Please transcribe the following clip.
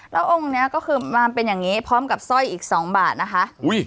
แล้วองค์นี้ก็คือมาเป็นอย่างนี้พร้อมกับสร้อยอีก๒บาทนะคะ